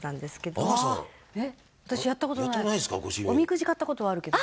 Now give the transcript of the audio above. おみくじ買った事はあるけど。